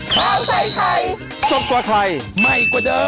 โปรดติดตามตอนต่อไป